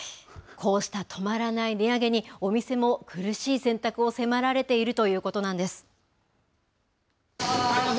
こうした止まらない値上げに、お店も苦しい選択を迫られているということなんです。